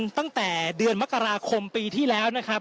ตั้งแต่เดือนมกราคมปีที่แล้วนะครับ